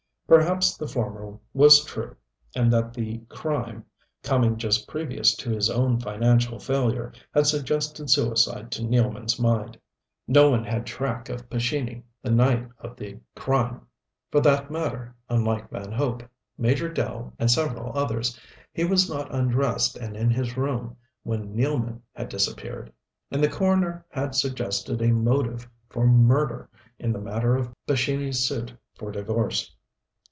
Perhaps the former was true, and that the crime, coming just previous to his own financial failure, had suggested suicide to Nealman's mind. No one had track of Pescini the night of the crime. For that matter, unlike Van Hope, Major Dell, and several others, he was not undressed and in his room when Nealman had disappeared. And the coroner had suggested a motive for murder in the matter of Pescini's suit for divorce.